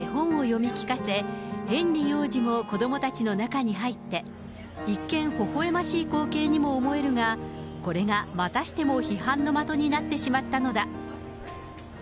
メーガン妃は、子どもたちに絵本を読み聞かせ、ヘンリー王子も子どもたちの中に入って、一見、ほほえましい光景にも思えるが、これがまたしても批判の的になってしまったのだ。